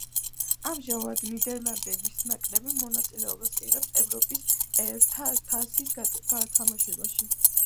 ამჟამად ნიდერლანდების ნაკრები მონაწილეობას იღებს ევროპის ერთა თასის გათამაშებაში.